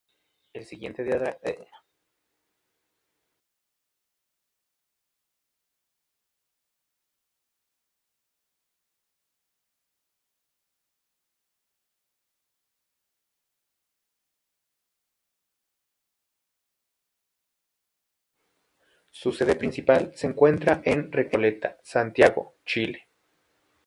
Su sede principal se encuentra en Recoleta, Santiago, Chile.